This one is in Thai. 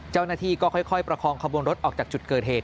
เจ้าหน้าที่ก็ค่อยประคองขบวนรถออกจากจุดเกิดเหตุ